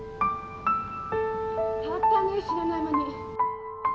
変わったね知らない間に。